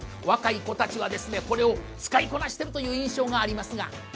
若い子たちはですねこれを使いこなしてるという印象がありますが。